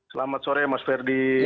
selamat sore mas ferdi